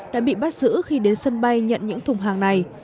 đã bị bắt giữ khi đến sân bay nhận những thùng hàng này